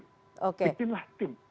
jadi team lah team